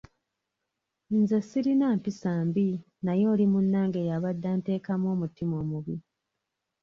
Nze sirina mpisa mbi naye oli munnange y'abadde anteekamu omutima omubi.